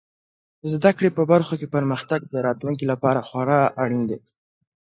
زده کړې په برخو کې پرمختګ د راتلونکي لپاره خورا اړین دی.